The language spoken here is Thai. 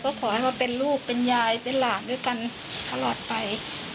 ก็ขอให้มาเป็นลูกเป็นยายเป็นหลานด้วยกันตลอดไป